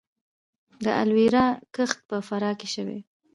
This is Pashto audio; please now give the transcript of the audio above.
د الوویرا کښت په فراه کې شوی